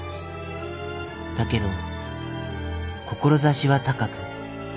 だけど志は高く。